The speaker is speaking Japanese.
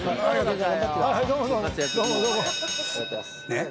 ねっ。